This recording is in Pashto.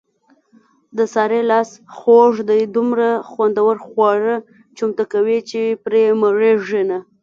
د سارې لاس خوږ دی دومره خوندور خواړه چمتو کوي، چې پرې مړېږي نه.